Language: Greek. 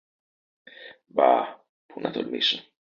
Μπα! Πού να τολμήσω!